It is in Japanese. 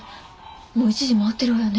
もう１時回ってるわよね。